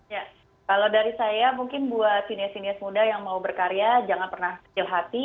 ya kalau dari saya mungkin buat sinis sinies muda yang mau berkarya jangan pernah kecil hati